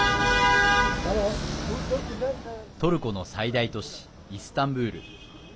トルコの最大都市イスタンブール。